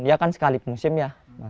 dia kan sekali musim ya